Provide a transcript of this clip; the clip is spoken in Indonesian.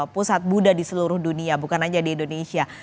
pusat buddha di seluruh dunia bukan saja di indonesia